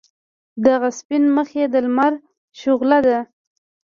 دغه سپین مخ یې د لمر شعله ده.